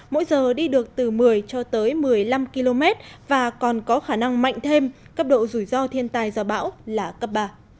mỗi giờ đi được từ một mươi cho tới một mươi năm km và còn có khả năng mạnh thêm cấp độ rủi ro thiên tai do bão là cấp ba